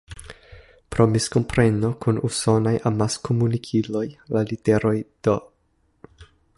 Pro miskompreno kun usonaj amaskomunikiloj, la literoj "D.